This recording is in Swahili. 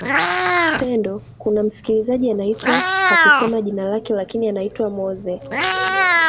pendo kuna msikilizaji anaitwa hakusema jina lake lakini anaitwa mose